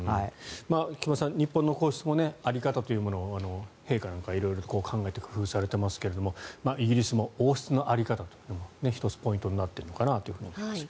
菊間さん、日本の皇室も在り方というもの陛下なんかは色々と考えて工夫されてますがイギリスも王室の在り方というものが１つポイントになっているのかなと思いますが。